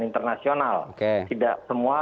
internasional tidak semua